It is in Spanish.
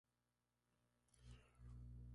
Não podemos ignorar!".